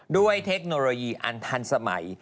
เทคโนโลยีอันทันสมัย